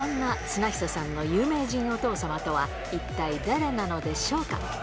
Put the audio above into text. そんな綱久さんの有名人お父様とは、一体誰なのでしょうか。